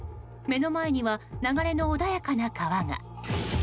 目の前には流れの穏やかな川が。